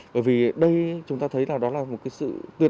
bởi vì đây chúng ta thấy là đó là một cái sự tuyệt